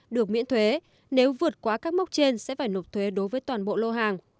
được miễn thuế nếu vượt quá các mốc trên sẽ phải nộp thuế đối với toàn bộ lô hàng